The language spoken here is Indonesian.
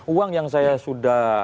uang yang saya sudah